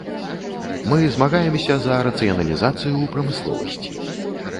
Мы змагаемся за рацыяналізацыю ў прамысловасці.